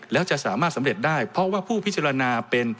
แล้วจะสามารถสำเร็จได้เพราะว่าผู้พิจารณาเป็น